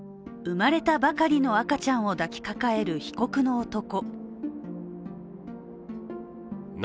生まれたばかりの赤ちゃんを抱きかかえる被告の男。